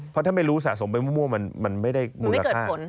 เพราะถ้าไม่รู้สะสมไปมั่วมันไม่ได้มูลค่า